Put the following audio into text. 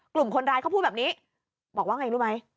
กลุ่มคนร้ายเขาพูดแบบนี้บอกว่าไงรู้ไหม